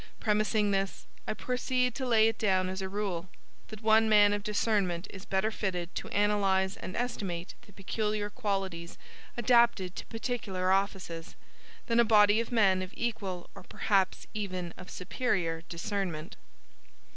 Premising this, I proceed to lay it down as a rule, that one man of discernment is better fitted to analyze and estimate the peculiar qualities adapted to particular offices, than a body of men of equal or perhaps even of superior discernment.